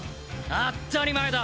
当ったり前だ！